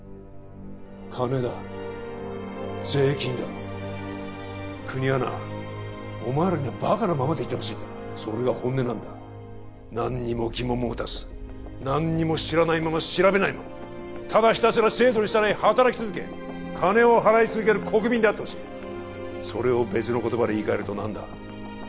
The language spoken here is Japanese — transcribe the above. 金だ税金だ国はなお前らにはバカなままでいてほしいんだそれが本音なんだ何にも疑問も持たず何にも知らないまま調べないままただひたすら制度に従い働き続け金を払い続ける国民であってほしいそれを別の言葉で言いかえると何だ？